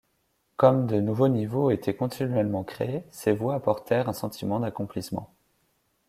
Comme de nouveaux niveaux étaient continuellement créés, ces voies apportèrent un sentiment d'accomplissement.